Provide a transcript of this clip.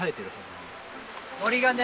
森がね